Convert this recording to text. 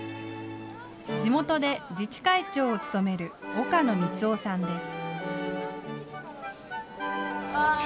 地元で自治会長を務める岡野光男さんです。